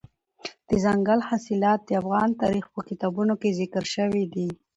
دځنګل حاصلات د افغان تاریخ په کتابونو کې ذکر شوي دي.